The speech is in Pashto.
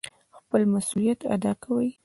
خپل مسئوليت اداء کوي.